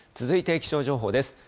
続いて気象情報です。